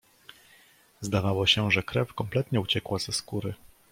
"Zdawało się, że krew kompletnie uciekła ze skóry."